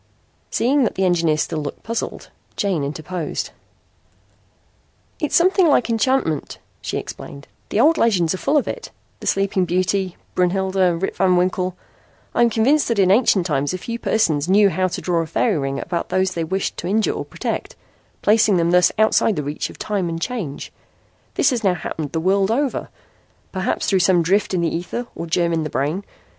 Seeing that the engineer still looked puzzled, June interposed: "It's something like enchantment," she explained. "The old legends are full of it the Sleeping Beauty, Brunhilde, Rip Van Winkle. I am convinced that in ancient times a few persons knew how to draw a fairy ring about those they wished to injure or protect, placing them thus outside the reach of time and change. This has now happened the world over, perhaps through some drift in the ether or germ in the brain.